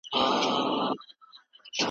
موږ د تور چای په څښلو بوخت یو.